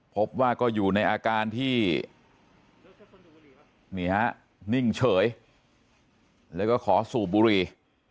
พบว่าก็อยู่ในอาการที่นี่ฮะนิ่งเฉยแล้วก็ขอสูบบุรี